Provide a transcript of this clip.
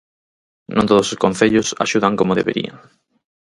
"Non todos os concellos axudan como deberían".